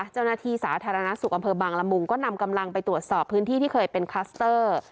เจ้าหน้าที่สาธารณสุขอำเภอบางละมุงก็นำกำลังไปตรวจสอบพื้นที่ที่เคยเป็นคลัสเตอร์